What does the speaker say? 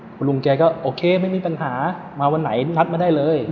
คุณลุงแกก็โอเคไม่มีปัญหามาวันไหนนัดมาได้เลย